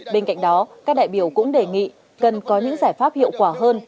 bên cạnh đó các đại biểu cũng đề nghị cần có những giải pháp hiệu quả hơn